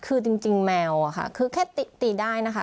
คือจริงแมวอะค่ะคือแค่ตีได้นะคะ